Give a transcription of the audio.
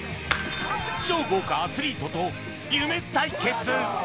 超豪華アスリートと夢対決